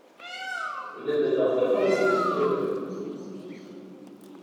Lemmdeɣ tafransist tura.